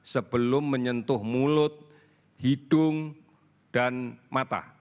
sebelum menyentuh mulut hidung dan mata